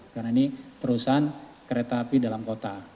karena ini perusahaan kereta api dalam kota